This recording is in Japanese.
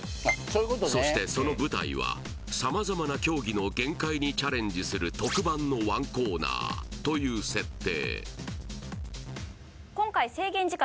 そしてその舞台は様々な競技の限界にチャレンジする特番の１コーナーという設定